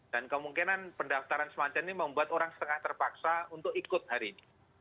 dan kemungkinan pendaftaran semacam ini membuat orang setengah terpaksa untuk ikut hari ini